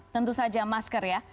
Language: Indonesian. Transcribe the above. tentu saja masker ya